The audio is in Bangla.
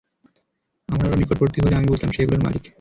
আমার আরো নিকটবর্তী হলে আমি বুঝলাম, সে এগুলোর মালিক।